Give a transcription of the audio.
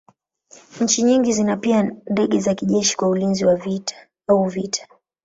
Nchi nyingi zina pia ndege za kijeshi kwa ulinzi au vita.